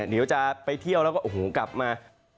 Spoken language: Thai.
เดี๋ยวจะไปเที่ยวแล้วก็โอ้โหกลับมา